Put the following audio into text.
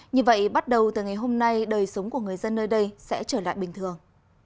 như vậy bắt đầu từ ngày hôm nay đời sống của người dân nơi đây sẽ trở lại bình thường